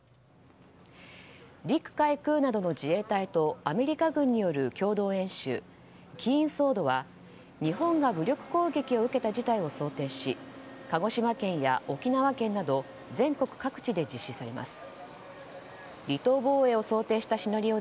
陸海空などの自衛隊とアメリカ軍による共同演習キーン・ソードは日本が武力攻撃を受けた事態を想定し鹿児島県や沖縄県など全国各地で実施されます。